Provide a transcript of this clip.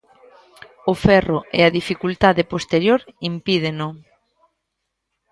O ferro e a dificultade posterior impídeno.